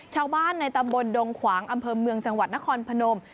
ชาวบ้านในตำบลดงขวางอำเภอเมืองจังหวัดนครพนม